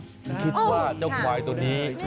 ตอนแรกผมคิดว่าเจ้าควายค์ตัวนี้